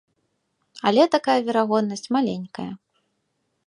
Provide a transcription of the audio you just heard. Але такая верагоднасць маленькая.